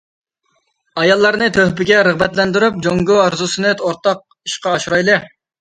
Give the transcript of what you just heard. ئاياللارنى تۆھپىگە رىغبەتلەندۈرۈپ، جۇڭگو ئارزۇسىنى ئورتاق ئىشقا ئاشۇرايلى.